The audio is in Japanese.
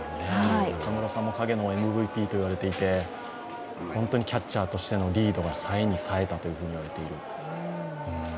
中村さんも影のＭＶＰと言われていて本当にキャッチャーとしてのリードがさえにさえたと言われている。